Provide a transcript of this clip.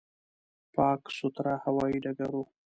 پاک، سوتره هوایي ډګر و.